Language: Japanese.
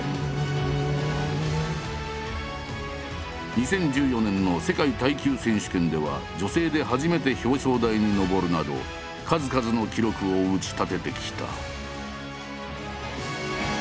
２０１４年の世界耐久選手権では女性で初めて表彰台にのぼるなど数々の記録を打ち立ててきた。